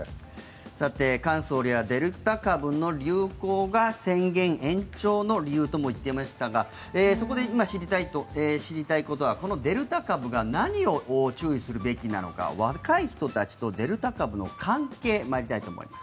さて、菅総理はデルタ株の流行が宣言延長の理由とも言っていましたがそこで今知りたいことはこのデルタ株が何を注意するべきなのか若い人たちとデルタ株の関係参りたいと思います。